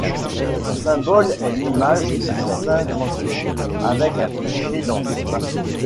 Son symbole est l'image du saint mentionné avec un pichet dans ses mains.